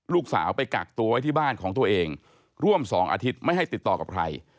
ลูกสาวไปกักตัวไว้ที่บ้านของตัวเองร่วม๒อาทิตย์ไม่ให้ติดต่อกับใคร